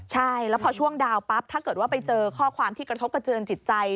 ใช่แล้วพอช่วงดาวปั๊บถ้าเกิดว่าไปเจอข้อความที่กระทบกระเจือนจิตใจ